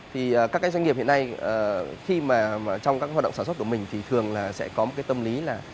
thì các cái doanh nghiệp hiện nay khi mà trong các hoạt động sản xuất của mình thì thường là sẽ có một cái tâm lý là